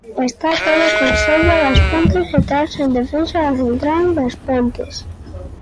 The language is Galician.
Está todo o concello das Pontes detrás en defensa da central das Pontes.